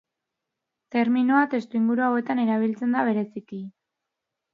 Terminoa testuinguru hauetan erabiltzen da bereziki.